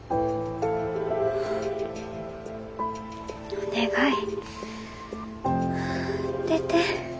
お願い出て。